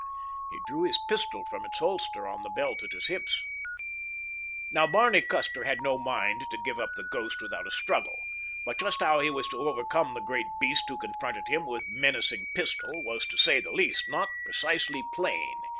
He drew his pistol from its holster on the belt at his hips. Now Barney Custer had no mind to give up the ghost without a struggle; but just how he was to overcome the great beast who confronted him with menacing pistol was, to say the least, not precisely plain.